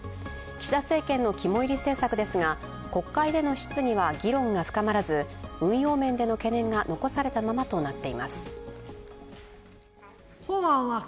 岸田政権の肝煎り政策ですが国会での質疑は議論が深まらず運用面での懸念が残されたままとなっています。